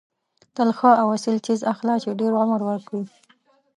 تل ښه او اصیل څیز اخله چې ډېر عمر وکړي.